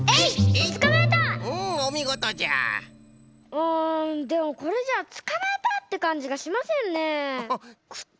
あでもこれじゃあつかまえたってかんじがしませんね。